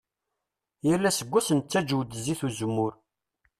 Yal aseggas nettaǧǧew-d zzit n uzemmur.